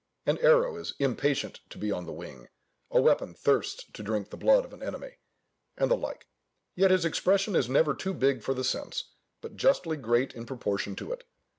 An arrow is "impatient" to be on the wing, a weapon "thirsts" to drink the blood of an enemy, and the like, yet his expression is never too big for the sense, but justly great in proportion to it.